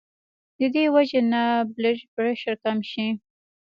د دې وجې نه بلډ پرېشر کم شي